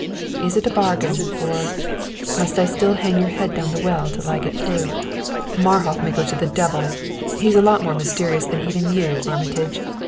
Is it a bargain or must I still hang your head down the well till I get through?" "Marhof may go to the devil! He's a lot more mysterious than even you, Armitage.